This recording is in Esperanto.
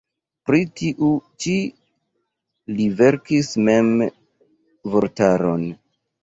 Pri tiu ĉi li verkis mem vortaron.